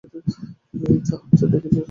যা হচ্ছে দেখে যাও শুধু।